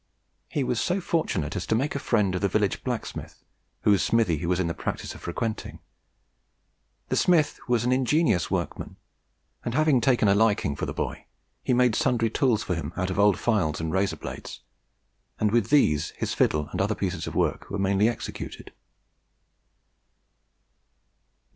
He was so fortunate as to make a friend of the village blacksmith, whose smithy he was in the practice of frequenting. The smith was an ingenious workman, and, having taken a liking for the boy, he made sundry tools for him out of old files and razor blades; and with these his fiddle and other pieces of work were mainly executed.